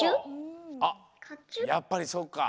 あっやっぱりそうか。